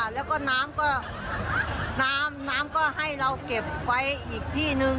แล้วก็น้ำก็ให้เราเก็บไว้อีกที่หนึ่ง